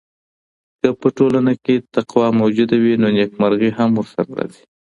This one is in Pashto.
که په ټولنه کي تقوی موجوده وي نو نېکمرغي هم ورسره راځي.